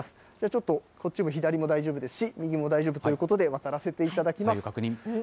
ちょっとこっちも左も大丈夫ですし、右も大丈夫ということで、渡らせていただきます。